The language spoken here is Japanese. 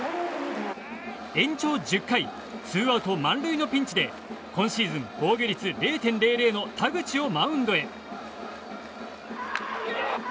延長１０回ツーアウト満塁のピンチで今シーズン防御率０．００の田口をマウンドへ。